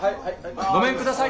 ・ごめんください。